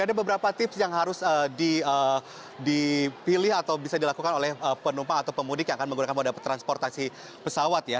ada beberapa tips yang harus dipilih atau bisa dilakukan oleh penumpang atau pemudik yang akan menggunakan moda transportasi pesawat ya